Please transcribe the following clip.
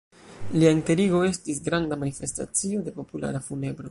Lia enterigo estis granda manifestacio de populara funebro.